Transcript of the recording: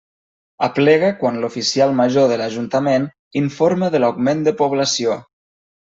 Aplega quan l'oficial major de l'ajuntament informa de l'augment de població.